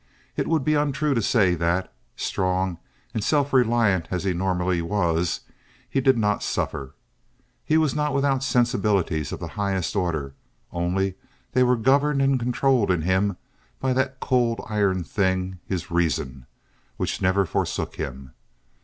It would be untrue to say that, strong and self reliant as he normally was, he did not suffer. He was not without sensibilities of the highest order, only they were governed and controlled in him by that cold iron thing, his reason, which never forsook him.